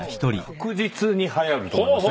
確実にはやると思います。